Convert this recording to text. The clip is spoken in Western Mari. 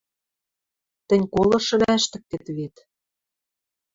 Тӹнь колышым ӓштӹктет вет...